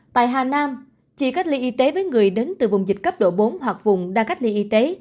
tại hà nam chỉ cách ly y tế với người đến từ vùng dịch cấp độ bốn hoặc vùng đang cách ly y tế